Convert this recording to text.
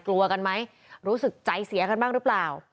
กลัวกันไหมรู้สึกใจเสียกันบ้างหรือเปล่า